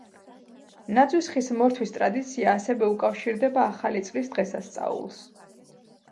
ნაძვის ხის მორთვის ტრადიცია ასევე უკავშირდება ახალი წლის დღესასწაულს.